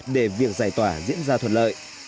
để việc giải tỏa diễn ra thuận lợi